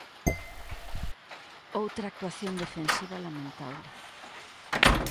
Outra actuación defensiva lamentable.